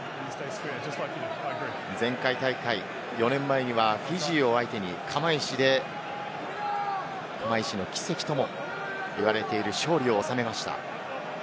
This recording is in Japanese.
前回大会４年前にはフィジーを相手に釜石で、釜石の奇跡といわれている勝利を収めました。